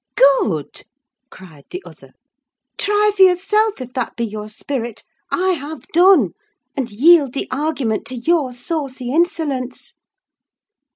"Good!" cried the other. "Try for yourself, if that be your spirit: I have done, and yield the argument to your saucy insolence."